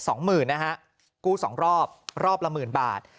สองหมื่นนะฮะกู้สองรอบรอบละหมื่นบาท